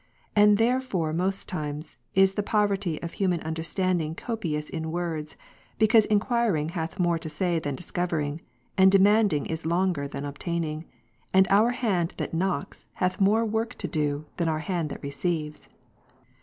And therefore mosttimes, is the poverty of human under standing copious in words, because enquiring hath more to say than discovering, and demanding is longer than ob taining, and our hand that knocks, hath more work to do, than our hand that receives.